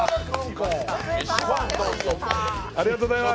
ありがとうございます。